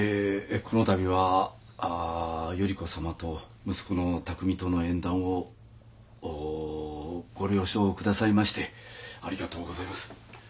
このたびはあ依子さまと息子の巧との縁談をおご了承くださいましてありがとうございます。